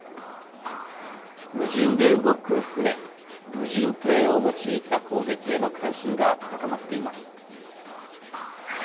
無人で動く船、無人艇を用いた攻撃への関心が高まっています。